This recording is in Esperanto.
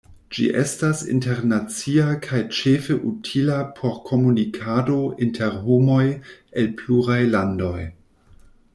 Ĝi estas internacia kaj ĉefe utila por komunikado inter homoj el pluraj landoj.